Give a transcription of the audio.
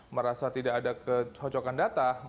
merasa tidak ada kecocokan data